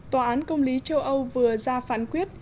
tòa án công lý châu âu vừa ra phán quyết